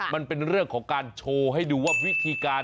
มันเป็นเรื่องของการโชว์ให้ดูว่าวิธีการ